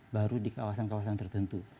baru di kawasan kawasan tertentu